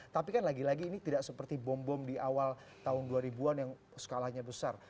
tapi kan lagi lagi ini tidak seperti bom bom di awal tahun dua ribu an yang skalanya besar